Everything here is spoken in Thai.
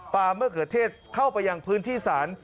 ปลาเมื่อเขือเทศเข้าไปยังพื้นที่ศาล